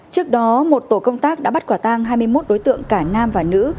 trước đó một tổ công tác đã bắt quả tang hai mươi một đối tượng cả nam và nữ